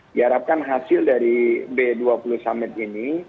diharapkan hasil dari b dua puluh summit ini